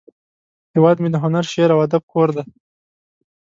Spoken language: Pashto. هیواد مې د هنر، شعر، او ادب کور دی